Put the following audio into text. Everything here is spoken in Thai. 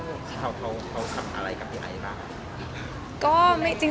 เขาทำอะไรกับไอท์บ้าง